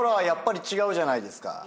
やっぱり違うじゃないですか。